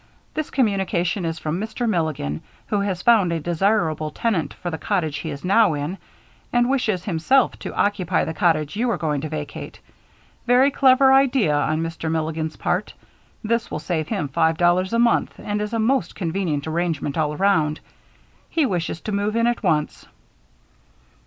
This communication is from Mr. Milligan, who has found a desirable tenant for the cottage he is now in, and wishes, himself, to occupy the cottage you are going to vacate. Very clever idea on Mr. Milligan's part. This will save him five dollars a month and is a most convenient arrangement all around. He wishes to move in at once."